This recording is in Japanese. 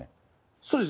そうです。